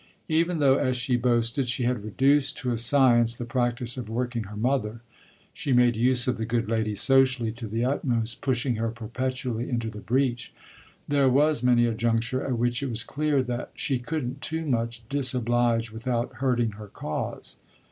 Even though, as she boasted, she had reduced to a science the practice of "working" her mother she made use of the good lady socially to the utmost, pushing her perpetually into the breach there was many a juncture at which it was clear that she couldn't too much disoblige without hurting her cause.